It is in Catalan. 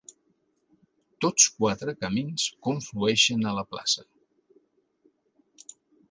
Tots quatre camins conflueixen a la plaça.